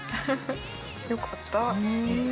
よかった。